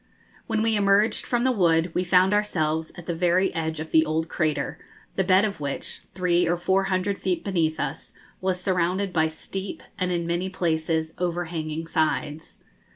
When we emerged from the wood, we found ourselves at the very edge of the old crater, the bed of which, three or four hundred feet beneath us, was surrounded by steep and in many places overhanging sides.